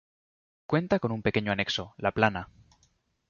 Cuenta con un pequeño anexo, la Plana.